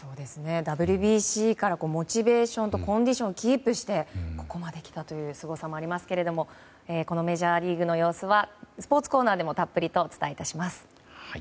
ＷＢＣからモチベーションとコンディションをキープしてここまで来たというすごさもありますけれどもこのメジャーリーグの様子はスポーツコーナーでもたっぷりとお伝えいたします。